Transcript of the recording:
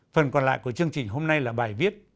phần còn lại của chương trình hôm nay là bài viết